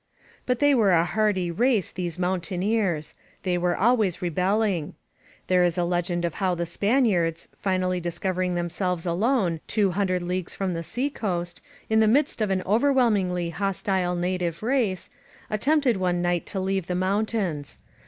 But they were a hardy race, these mountaineers. They were always rebelling. There is a legend of how the Spaniards, finally discovering themselves alone, two hundred leagues from the seacoast, in the midst of an overwhelmingly hostile native race, attempted one night to leave the mountains.